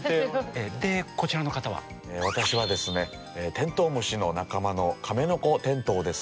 テントウムシの仲間のカメノコテントウです。